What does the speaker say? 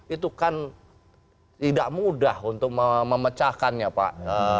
itu kan tidak mudah untuk memecahkannya pak